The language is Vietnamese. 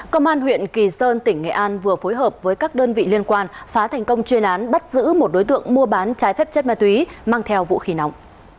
công an huyện kỳ sơn tỉnh nghệ an vừa phối hợp với các đơn vị liên quan phá thành công chuyên án bắt giữ một đối tượng mua bán trái phép chất ma túy mang theo vũ khí nóng